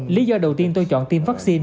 lý do đầu tiên tôi chọn tiêm vaccine